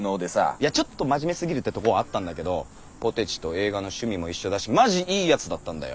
いやちょっと真面目すぎるってとこはあったんだけどポテチと映画の趣味も一緒だしマジいいやつだったんだよ。